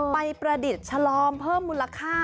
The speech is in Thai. ประดิษฐ์ชะลอมเพิ่มมูลค่า